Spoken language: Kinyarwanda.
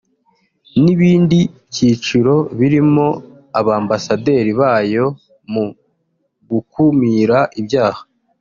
n’ibindi byiciro birimo Abambasaderi bayo mu gukumira ibyaha